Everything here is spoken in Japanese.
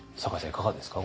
いかがですか？